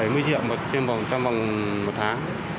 mỗi triệu trên vòng trăm vòng một tháng